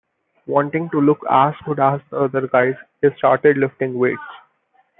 Wanting to "look as good as the other guys", he started lifting weights.